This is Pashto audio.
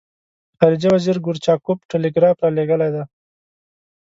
خارجه وزیر ګورچاکوف ټلګراف را لېږلی دی.